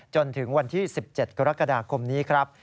จนถึงวันที่๑๗กรกฎาคมนี้ครับ